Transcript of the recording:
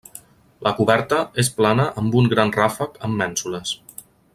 La coberta és plana amb un gran ràfec amb mènsules.